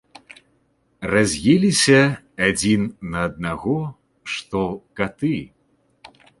Раз'еліся адзін на аднаго, што каты.